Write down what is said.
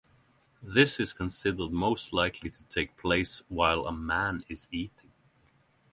This is considered most likely to take place while a man is eating.